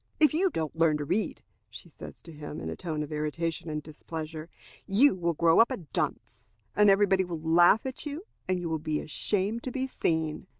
"If you don't learn to read," she says to him, in a tone of irritation and displeasure, "you will grow up a dunce, and every body will laugh at you, and you will be ashamed to be seen."